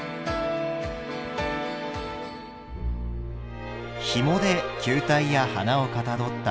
ひもで球体や花をかたどったヘアゴム。